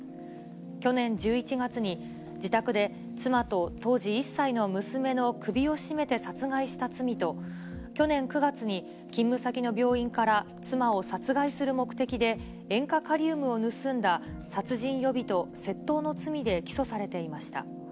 去年１１月に、自宅で妻と当時１歳の娘の首を絞めて殺害した罪と、去年９月に勤務先の病院から妻を殺害する目的で塩化カリウムを盗んだ殺人予備と窃盗の罪で起訴されていました。